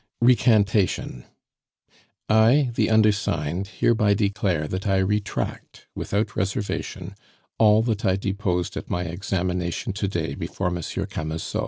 "Recantation. "I, the undersigned, hereby declare that I retract, without reservation, all that I deposed at my examination to day before Monsieur Camusot.